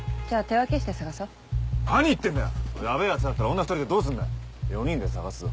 ヤベェヤツだったら女２人でどうすんだよ